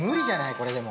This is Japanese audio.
これでも。